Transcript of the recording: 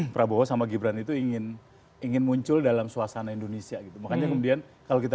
prabowo sama gibran itu ingin ingin muncul dalam suasana indonesia gitu makanya kemudian kalau kita